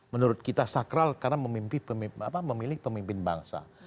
menurut kita sakral karena memimpi pemimpin apa memilih pemimpin bangsa